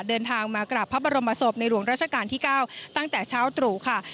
เดินทางมากราบพระบรมศพในหลวงราชการที่๙ตั้งแต่เช้าตรู่ค่ะ